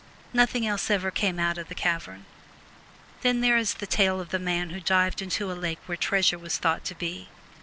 Nothing else ever came out of the cavern. Then there is the tale of the man who dived into a lake where treasure 180 was thought to be.